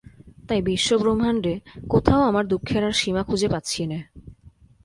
তাই বিশ্বব্রহ্মাণ্ডে কোথাও আমার দুঃখের আর সীমা খুঁজে পাচ্ছি নে।